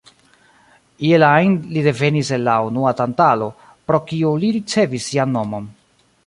Iel ajn, li devenis el la unua Tantalo, pro kiu li ricevis sian nomon.